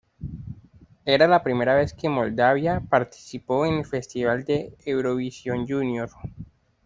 Era la primera vez que Moldavia participó en el Festival de Eurovisión Junior.